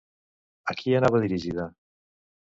A qui anava dirigida?